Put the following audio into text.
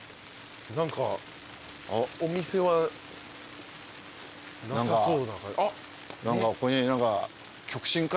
何かお店はなさそうな。